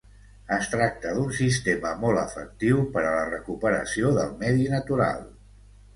Es tracta d'un sistema molt efectiu per a la recuperació del medi natural.